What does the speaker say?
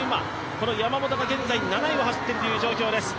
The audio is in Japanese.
この山本が、現在７位を走っている状況。